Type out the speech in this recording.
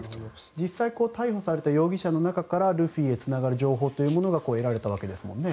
実際逮捕された容疑者の中からルフィにつながる情報が得られたわけですもんね。